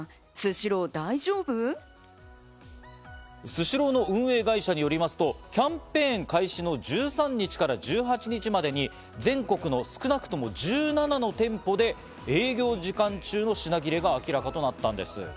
スシローの運営会社によりますと、キャンペーン開始の１３日から１８日までに全国の少なくとも１７の店舗で営業時間中の品切れが明らかとなったんです。